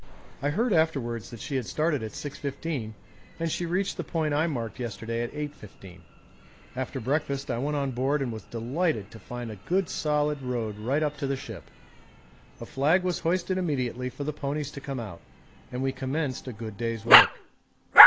I heard afterwards that she had started at 6.15 and she reached the point I marked yesterday at 8.15. After breakfast I went on board and was delighted to find a good solid road right up to the ship. A flag was hoisted immediately for the ponies to come out, and we commenced a good day's work.